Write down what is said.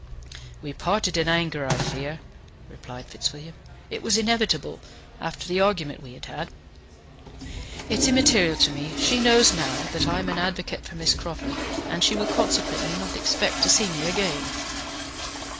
"We parted in anger, I fear," replied Fitzwilliam; "it was inevitable, after the argument we had had. It is immaterial to me; she knows now that I am an advocate for Miss Crawford, and she will consequently not expect to see me again."